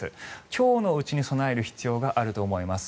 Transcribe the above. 今日のうちに備える必要があると思われます。